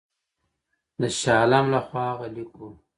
د شاه عالم له خوا هغه لیک وو.